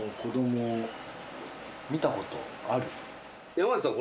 山内さん